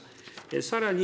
さらに、